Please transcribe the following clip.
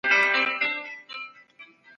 د شخصي ملکيت حق د اسلام له حقوقو څخه دی.